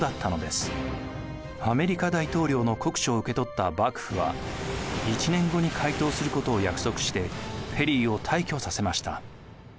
アメリカ大統領の国書を受け取った幕府は１年後に回答することを約束してペリーを退去させました。